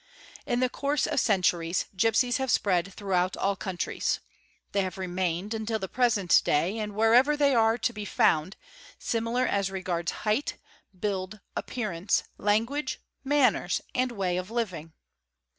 In the course of centuries gipsies have spread throughout |countries; they have remained, until the present day and wherever they re to be found, similar as regards height, build, appearance, language, a anners, and way of living.